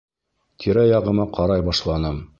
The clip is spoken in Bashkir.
Тирә яғыма ҡарай башланым.